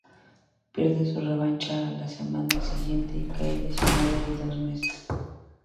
Pierden su revancha a la semana siguiente y cae lesionado de dos meses.